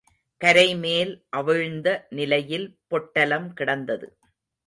கரை மேல் அவிழ்ந்த நிலையில் பொட்டலம் கிடந்தது.